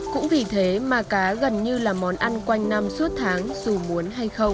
cũng vì thế mà cá gần như là món ăn quanh năm suốt tháng dù muốn hay không